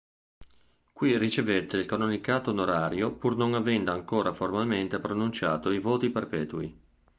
Qui ricevette il canonicato onorario pur non avendo ancora formalmente pronunciato i voti perpetui.